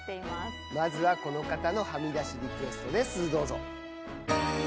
まずはこの方のはみだしリクエストです。